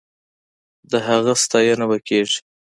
د هغه ستاينه به کېږي.